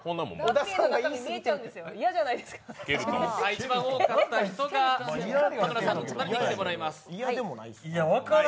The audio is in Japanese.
一番多かった人が田村さんの隣に来てもらいます。